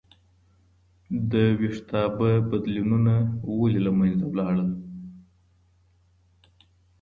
د ویښتابه بدلیلونه ولې له منځه لاړل؟